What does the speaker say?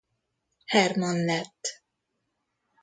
Hermann lett.